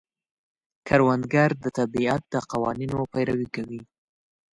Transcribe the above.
کروندګر د طبیعت د قوانینو پیروي کوي